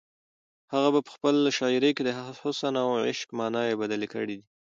هغه په خپله شاعري کې د حسن او عشق ماناوې بدلې کړې دي.